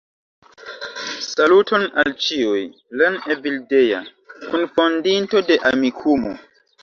Saluton al ĉiuj! Jen Evildea, kunfondinto de Amikumu!